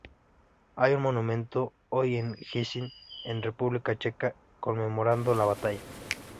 Hay un monumento hoy en Jičín en República Checa conmemorando la batalla.